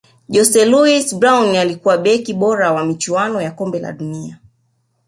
jose luis brown alikuwa beki bora wa michuano ya kombe la dunia